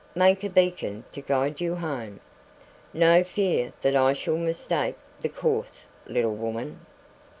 "Make a beacon to guide you home." "No fear that I shall mistake the course, little woman."